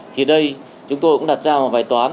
thì đây chúng tôi cũng đặt ra một bài toán